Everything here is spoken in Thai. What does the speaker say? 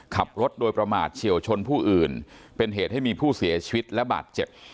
ขับรถโดยประมาทเฉียวชนผู้อื่นเป็นเหตุให้มีผู้เสียชีวิตและบาดเจ็บ